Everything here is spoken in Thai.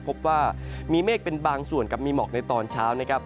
พบว่ามีเมฆเป็นบางส่วนกับมีหมอกในตอนเช้านะครับ